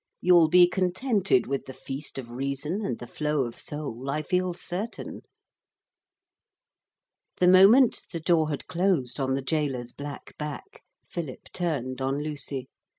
You'll be contented with the feast of reason and the flow of soul, I feel certain.' The moment the door had closed on the gaoler's black back Philip turned on Lucy.